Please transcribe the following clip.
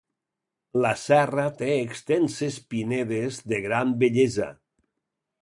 La serra té extenses pinedes de gran bellesa.